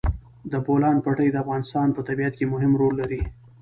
د بولان پټي د افغانستان په طبیعت کې مهم رول لري.